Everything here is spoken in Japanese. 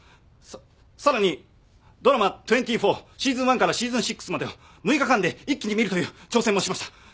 さっさらにドラマ『２４』シーズン１からシーズン６までを６日間で一気に見るという挑戦もしました。